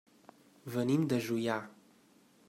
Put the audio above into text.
Venim de Juià.